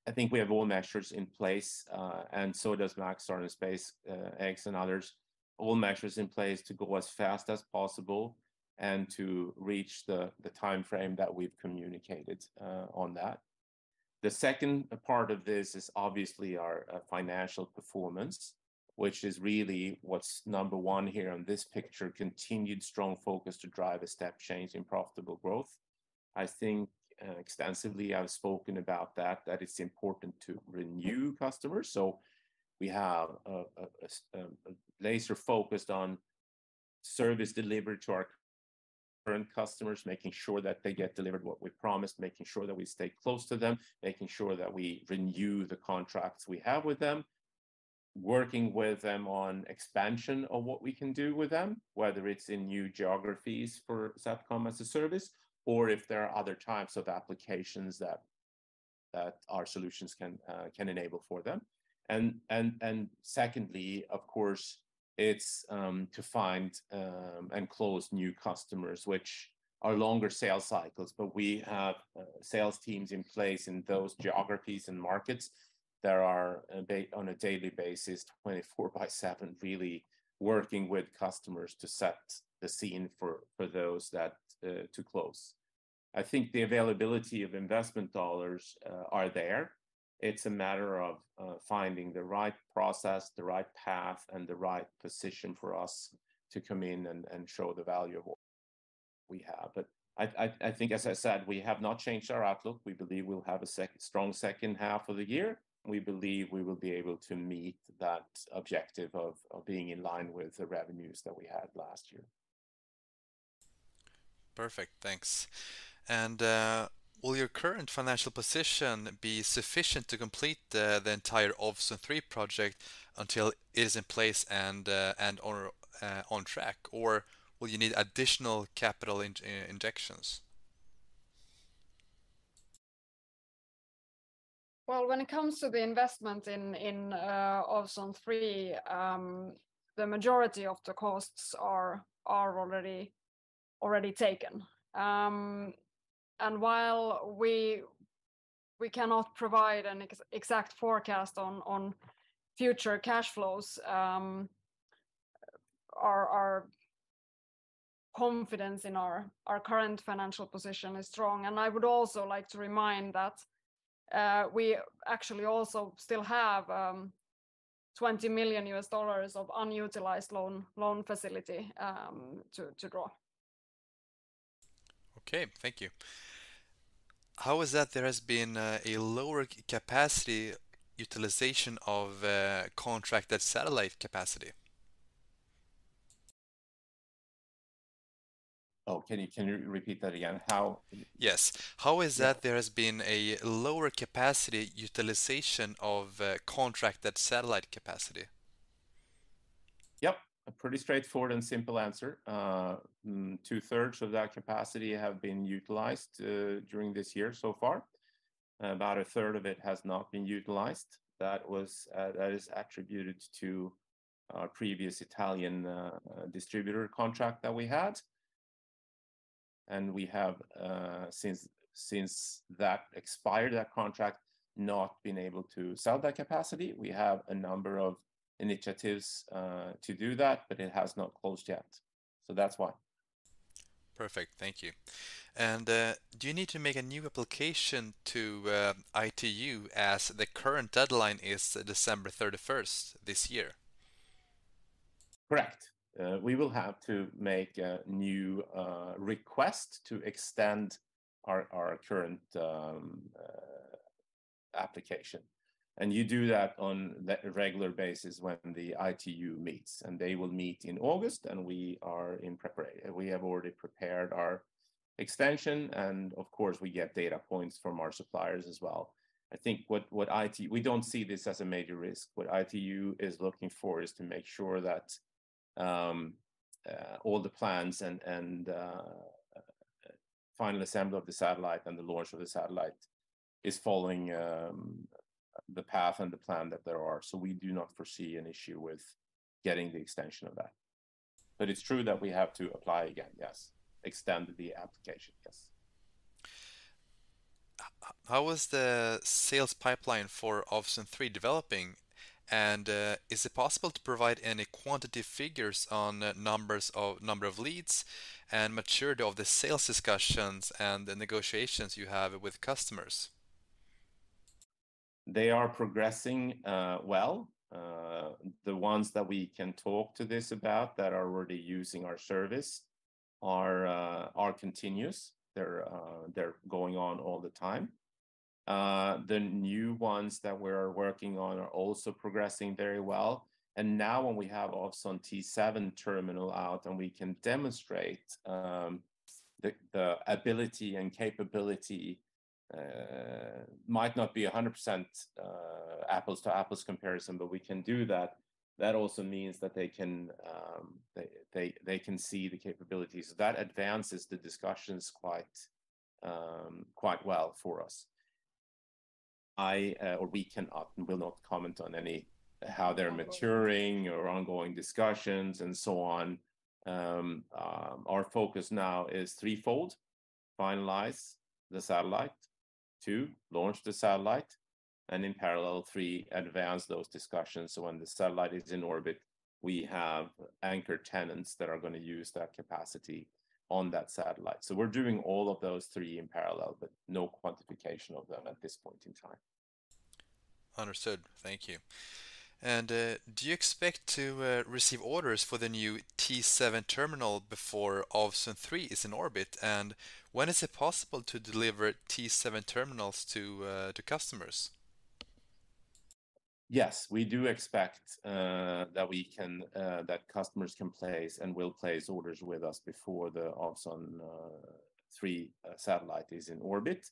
I think we have all measures in place, and so does Maxar and SpaceX and others. All measures in place to go as fast as possible and to reach the timeframe that we've communicated on that. The second part of this is obviously our financial performance, which is really what's number one here on this picture, continued strong focus to drive a step change in profitable growth. I think, extensively, I've spoken about that, that it's important to renew customers. We have a laser focused on service delivery to our current customers, making sure that they get delivered what we promised, making sure that we stay close to them, making sure that we renew the contracts we have with them, working with them on expansion of what we can do with them, whether it's in new geographies for SATCOM-as-a-Service, or if there are other types of applications that our solutions can enable for them. Secondly, of course, it's to find and close new customers, which are longer sales cycles, but we have sales teams in place in those geographies and markets that are on a daily basis, 24/7, really working with customers to set the scene for, for those that to close. I think the availability of investment dollars are there. It's a matter of finding the right process, the right path, and the right position for us to come in and show the value of what we have. I think, as I said, we have not changed our outlook. We believe we'll have a strong second half of the year. We believe we will be able to meet that objective of being in line with the revenues that we had last year. Perfect. Thanks. Will your current financial position be sufficient to complete the, the entire Ovzon 3 project until it is in place and, and, or, on track? Or will you need additional capital injections? Well, when it comes to the investment in Ovzon 3, the majority of the costs are already taken. While we cannot provide an exact forecast on future cash flows, our confidence in our current financial position is strong. I would also like to remind that we actually also still have $20 million of unutilized loan facility to grow. Okay, thank you. How is that there has been a lower capacity utilization of contracted satellite capacity? Oh, can you, can you repeat that again? How- Yes. How is that there has been a lower capacity utilization of contracted satellite capacity? Yep. A pretty straightforward and simple answer. 2/3 of that capacity have been utilized during this year so far. About 1/3 of it has not been utilized. That was that is attributed to our previous Italian distributor contract that we had. We have since, since that expired, that contract, not been able to sell that capacity. We have a number of initiatives to do that, but it has not closed yet, that's why. Perfect. Thank you. Do you need to make a new application to ITU, as the current deadline is December 31st this year? Correct. We will have to make a new request to extend our, our current application. You do that on the regular basis when the ITU meets. They will meet in August, and we have already prepared our extension, and of course, we get data points from our suppliers as well. I think what we don't see this as a major risk. What ITU is looking for is to make sure that all the plans and final assembly of the satellite and the launch of the satellite is following the path and the plan that there are. We do not foresee an issue with getting the extension of that. It's true that we have to apply again, yes. Extend the application, yes. How is the sales pipeline for Ovzon 3 developing? Is it possible to provide any quantity figures on numbers of, number of leads and maturity of the sales discussions and the negotiations you have with customers? They are progressing well. The ones that we can talk to this about, that are already using our service, are continuous. They're going on all the time. The new ones that we're working on are also progressing very well. Now, when we have Ovzon T7 terminal out and we can demonstrate the ability and capability, might not be a 100% apples to apples comparison, but we can do that. That also means that they can see the capabilities. That advances the discussions quite well for us. I, or we cannot and will not comment on any, how they're maturing or ongoing discussions, and so on. Our focus now is threefold: finalize the satellite, 2, launch the satellite, and in parallel, 3, advance those discussions, so when the satellite is in orbit, we have anchor tenants that are going to use that capacity on that satellite. We're doing all of those three in parallel, but no quantification of them at this point in time. Understood. Thank you. Do you expect to receive orders for the new T7 terminal before Ovzon 3 is in orbit? When is it possible to deliver T7 terminals to customers? Yes, we do expect that customers can place and will place orders with us before the Ovzon 3 satellite is in orbit.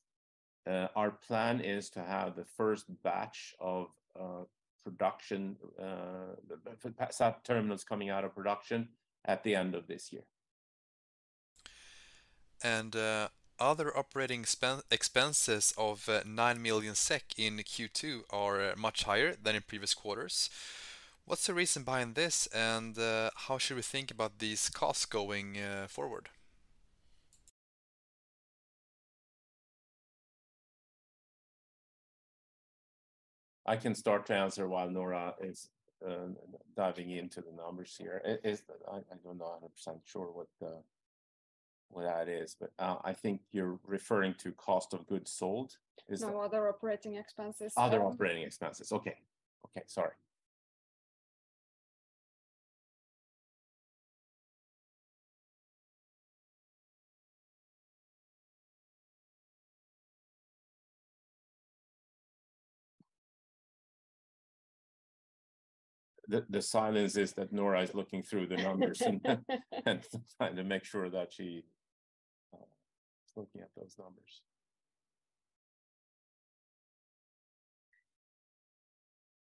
Our plan is to have the first batch of production sat terminals coming out of production at the end of this year. Other operating expenses of 9 million SEK in Q2 are much higher than in previous quarters. What's the reason behind this, how should we think about these costs going forward? I can start to answer while Noora is diving into the numbers here. I don't know 100% sure what the, what that is, but I think you're referring to cost of goods sold. Is that? No, other operating expenses. Other operating expenses, okay. Okay, sorry. The silence is that Noora is looking through the numbers and trying to make sure that she is looking at those numbers.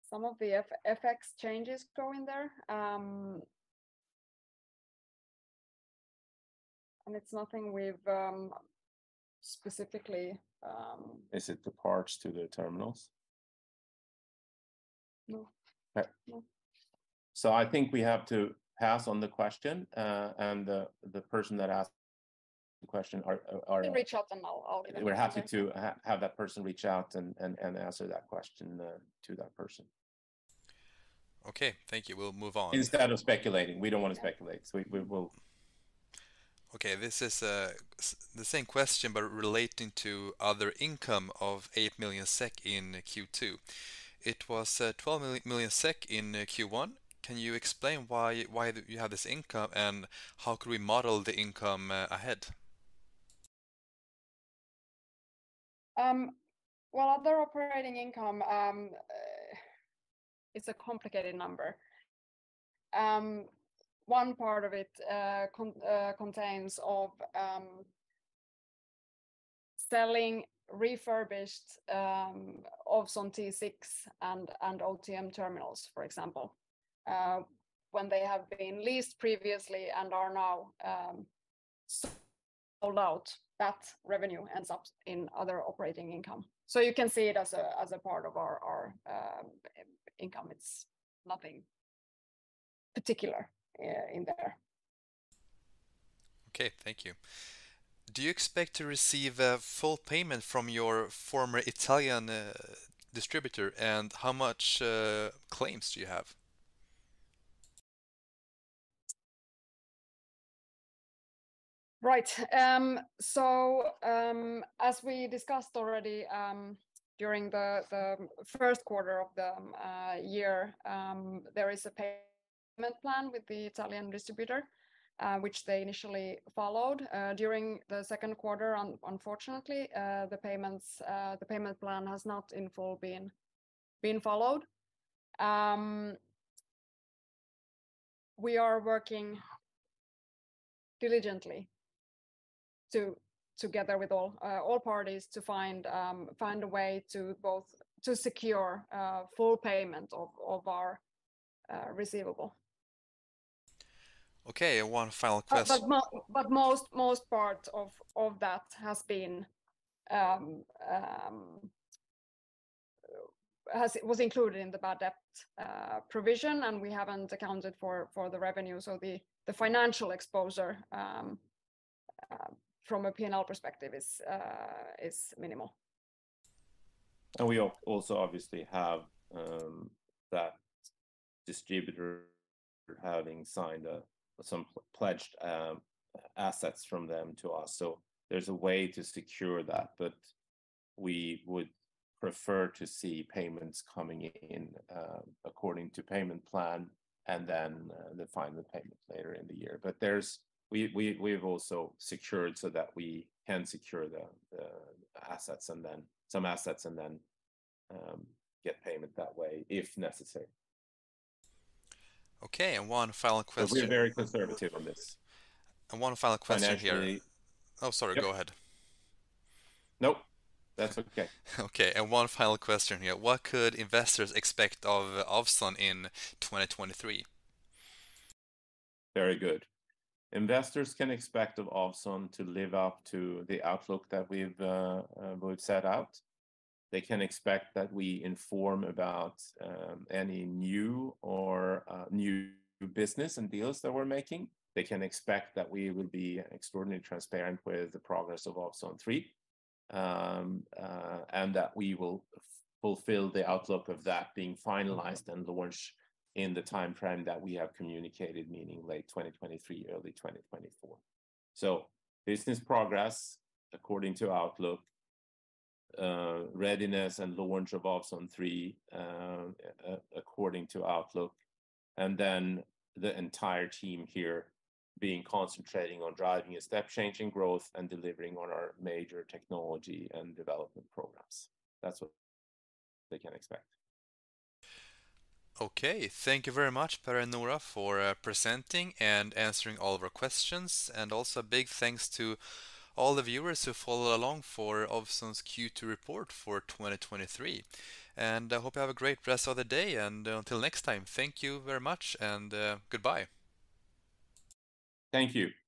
Some of the FX changes go in there. It's nothing we've specifically... Is it the parts to the terminals? No. Okay. No. I think we have to pass on the question, and the, the person that asked the question are. You reach out, and I'll give an answer. We're happy to have that person reach out and answer that question to that person. Okay, thank you. We'll move on. Instead of speculating, we don't want to speculate. Yeah. We will. Okay, this is the same question, but relating to other income of 8 million SEK in Q2. It was 12 million SEK in Q1. Can you explain why, why you had this income, and how could we model the income ahead? Well, other operating income, it's a complicated number. One part of it contains of selling refurbished Ovzon T6 and, and Ovzon T6, for example. When they have been leased previously and are now sold out, that revenue ends up in other operating income. You can see it as a, as a part of our, our income. It's nothing particular in there. Okay, thank you. Do you expect to receive a full payment from your former Italian distributor, and how much claims do you have? Right. As we discussed already, during the first quarter of the year, there is a payment plan with the Italian distributor, which they initially followed. During the second quarter, unfortunately, the payments, the payment plan has not in full been, been followed. We are working diligently together with all parties to find a way to both... to secure full payment of our receivable. Okay, one final question? Most, most part of, of that has been, was included in the bad debt, provision, and we haven't accounted for, for the revenue. The, the financial exposure, from a P&L perspective, is, minimal. We also obviously have that distributor having signed some pledged assets from them to us. There's a way to secure that, but we would prefer to see payments coming in according to payment plan, and then the final payments later in the year. We've also secured so that we can secure the assets, and then some assets, and then get payment that way, if necessary. Okay, one final question- We are very conservative on this. One final question here. Financially- Oh, sorry, go ahead. Nope, that's okay. Okay, and one final question here: What could investors expect of Ovzon in 2023? Very good. Investors can expect of Ovzon to live up to the outlook that we've, we've set out. They can expect that we inform about any new or new business and deals that we're making. They can expect that we will be extraordinarily transparent with the progress of Ovzon 3. That we will fulfill the outlook of that being finalized and launched in the timeframe that we have communicated, meaning late 2023, early 2024. Business progress according to outlook, readiness and launch of Ovzon 3 according to outlook, and then the entire team here being concentrating on driving a step change in growth and delivering on our major technology and development programs. That's what they can expect. Okay. Thank you very much, Per and Noora, for presenting and answering all of our questions. Also a big thanks to all the viewers who followed along for Ovzon's Q2 report for 2023. I hope you have a great rest of the day, and until next time, thank you very much, and goodbye. Thank you.